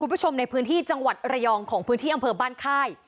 คุณผู้ชมในพื้นที่จังหวัดระยองของพื้นที่อำเภอบ้านค่าย